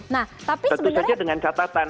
nah tapi sebenarnya satu saja dengan catatan